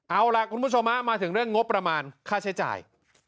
เอาล่ะคุณผู้ชมมาถึงเรื่องงบประมาณค่าใช้จ่าย